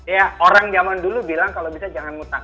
ya orang zaman dulu bilang kalau bisa jangan mutak